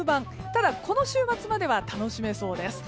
ただ、この週末までは楽しめそうです。